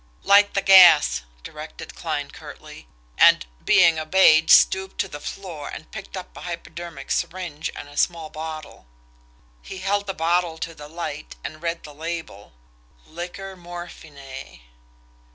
"Light the gas!" directed Kline curtly; and, being obeyed, stooped to the floor and picked up a hypodermic syringe and a small bottle. He held the bottle to the light, and read the label: LIQUOR MORPHINAE.